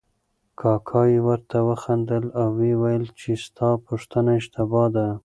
کاکا یې ورته وخندل او ویې ویل چې ستا پوښتنه اشتباه ده.